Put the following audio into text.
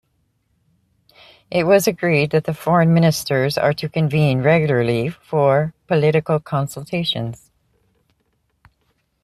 It was agreed that the Foreign Ministers are to convene regularly for political consultations.